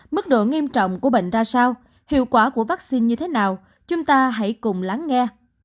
mức độ nghiêm trọng của bệnh ra sao hiệu quả của vaccine như thế nào chúng ta hãy cùng lắng nghe